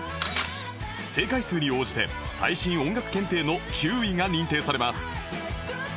正解数に応じて最新音楽検定の級位が認定されます